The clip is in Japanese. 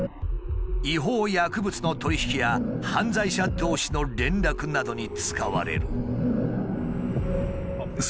違法薬物の取り引きや犯罪者同士の連絡などに使われる。